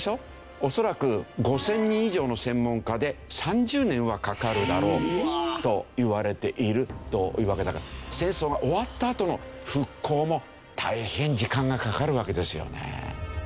恐らく５０００人以上の専門家で３０年はかかるだろうといわれているというわけだから戦争が終わったあとの復興も大変時間がかかるわけですよね。